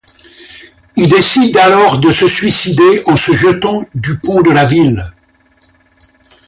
Il décide alors de se suicider en se jetant du pont de la ville.